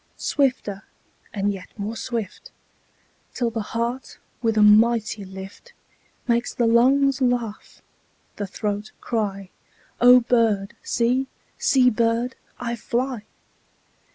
Swifter and yet more swift, 5 Till the heart with a mighty lift Makes the lungs laugh, the throat cry:— 'O bird, see; see, bird, I fly.